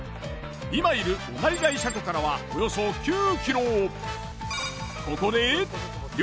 今いる御成台車庫からはおよそ９ｋｍ。